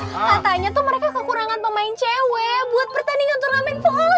katanya tuh mereka kekurangan pemain cewek buat pertandingan turnamen follo